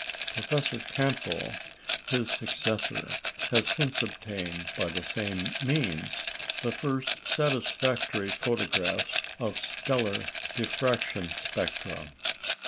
Professor Campbell, his successor, has since obtained, by the same means, the first satisfactory photographs of stellar diffraction spectra.